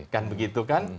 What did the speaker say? kan begitu kan